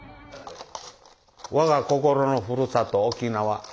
我が心のふるさと沖縄。